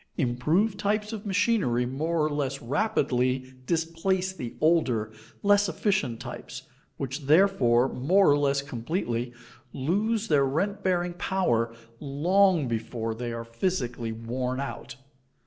Improved types of machinery more or less rapidly displace the older, less efficient types, which, therefore, more or less completely lose their rent bearing power long before they are physically worn out.